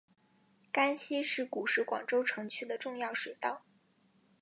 甘溪是古时广州城区的重要水道。